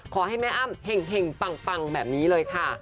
ขอให้แม่อ้ำเห็งปังแบบนี้เลยค่ะ